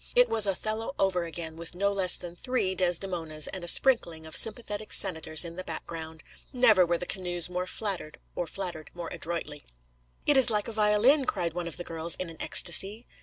It was Othello over again, with no less than three Desdemonas and a sprinkling of sympathetic senators in the background. Never were the canoes more flattered, or flattered more adroitly. 'It is like a violin,' cried one of the girls in an ecstasy.